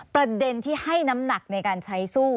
ประเด็นที่ให้น้ำหนักในการใช้สู้